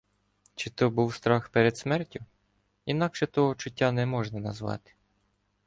Чи то був страх перед смертю? Інакше того чуття не можна назвати.